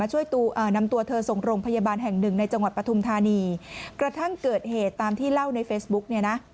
หวัดปฐมธานีกระทั่งเกิดเหตุตามที่เล่าในเฟซบุ๊ก